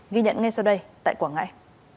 ghi nhận ngay sau đây tại quảng ngãi